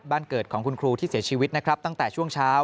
บ้านเกิดของคุณครูที่เสียชีวิตนะครับตั้งแต่ช่วงเช้า